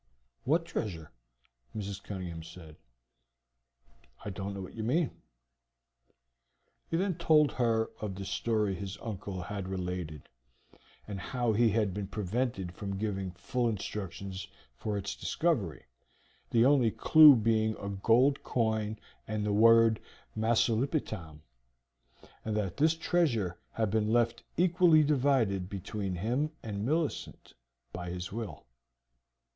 "What treasure?" Mrs. Cunningham said. "I don't know what you mean." He then told her of the story his uncle had related, and how he had been prevented from giving full instructions for its discovery, the only clew being a gold coin and the word Masulipatam, and that this treasure had been left equally divided between him and Millicent by his will.